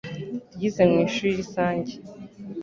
Yize mu ishuri rusange.